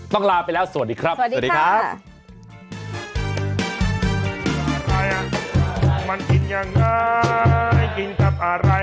ต้องลาไปแล้วสวัสดีครับ